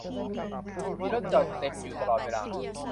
มีรถจอดเต็มอยู่ตลอดเวลา